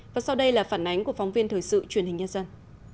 và sau đây là phản ánh của phóng viên thời sự truyền hình nhân dân